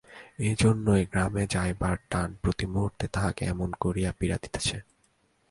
এইজন্যই গ্রামে যাইবার টান প্রতি মুহূর্তে তাহাকে এমন করিয়া পীড়া দিতেছে।